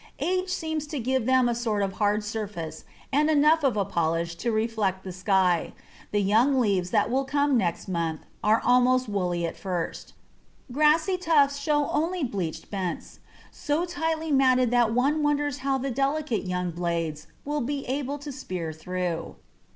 Age seems to give them a sort of hard surface and enough of a polish to reflect the sky; the young leaves that will come next month are almost woolly at first. Grassy tufts show only bleached bents, so tightly matted that one wonders how the delicate young blades will be able to spear through.